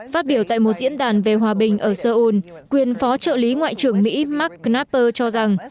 phát biểu tại một diễn đàn về hòa bình ở seoul quyền phó trợ lý ngoại trưởng mỹ mark knapper cho rằng